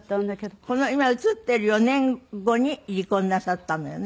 この今映っている４年後に離婚なさったのよね。